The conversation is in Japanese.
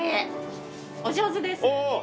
お上手です。